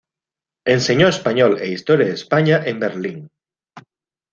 Enseñó español e historia de España en Berlín.